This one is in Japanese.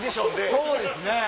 そうですね。